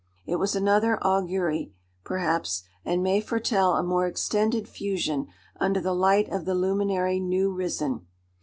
It was another augury, perhaps, and may foretell a more extended fusion under the light of the luminary new risen.